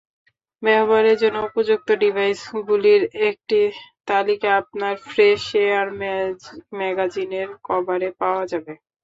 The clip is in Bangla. ব্যবহারের জন্য উপযুক্ত ডিভাইসগুলির একটি তালিকা আপনার ফ্রেশ এয়ার ম্যাগাজিনের - কভারে পাওয়া যাবে।